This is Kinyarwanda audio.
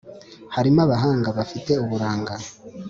Harimo abahanga bafite uburanga